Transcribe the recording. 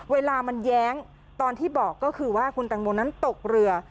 เวลามันแย้งตอนที่บอกก็คือว่าคุณตังโมนั้นตกเรือ